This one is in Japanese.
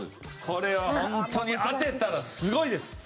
これはホントに当てたらすごいです。